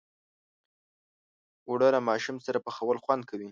اوړه له ماشوم سره پخول خوند کوي